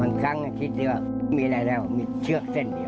วันครั้งคิดดีกว่าไม่มีอะไรแล้วมีเชือกเส้นเดียว